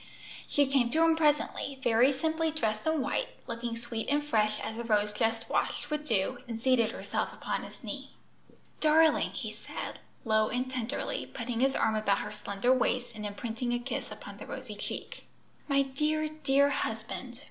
She came to him presently, very simply dressed in white, looking sweet and fresh as a rose just washed with dew, and seated herself upon his knee. "Darling!" he said, low and tenderly, putting his arm about her slender waist and imprinting a kiss upon the rosy cheek. "My dear, dear husband!